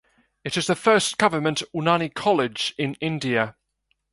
It is the first government Unani college in India.